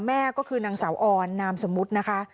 แม่ก็คือนางสาวออนนามสมมุตินะคะ